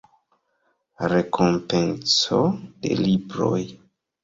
Rekompenco de Libroj.